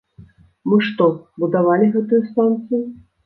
Мы што, будавалі гэтую станцыю?